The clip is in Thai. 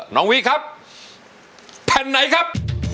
น้องวิครับแผ่นไหนครับ